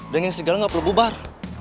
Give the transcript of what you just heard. dan yang serigala gak perlu bubar